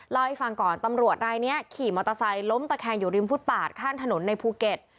เล่าให้ฟังก่อนตำรวจนายนี้ขี่มอเตอร์ไซค์ล้มตะแคงอยู่ริมฟุตปาดข้างถนนในภูเก็ต